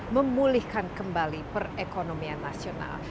memulihkan kembali perekonomian nasional